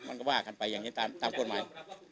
มันก็ว่ากันไปอย่างนี้ตามตามคนไว้